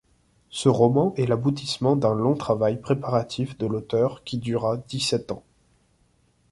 Ce roman est l'aboutissement d'un long travail préparatif de l'auteur qui dura dix-sept ans.